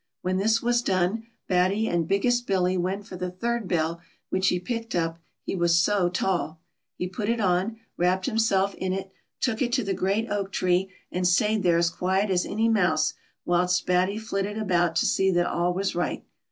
When this was done, Batty and Biggest Billy went for the third bell, which he picked up, he was so tall. He put it on, wrapped himself in it, took it to the great oak tree, and stayed there as quiet as any mouse, whilst Batty flitted about to see that all was right.